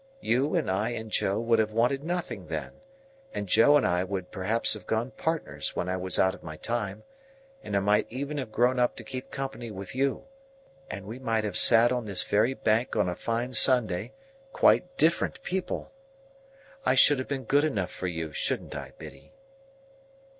You and I and Joe would have wanted nothing then, and Joe and I would perhaps have gone partners when I was out of my time, and I might even have grown up to keep company with you, and we might have sat on this very bank on a fine Sunday, quite different people. I should have been good enough for you; shouldn't I, Biddy?"